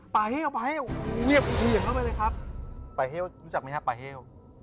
ป่าเท่ารู้จักไหมทุกคนป่าเท่า